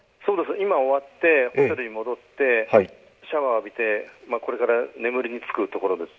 今、終わってホテルに戻ってシャワー浴びてこれから眠りにつくところです。